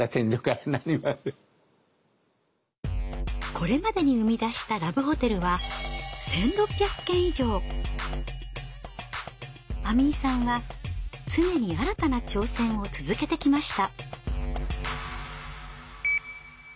これまでに生み出したラブホテルは亜美伊さんは常に新たな挑戦を続けてきました。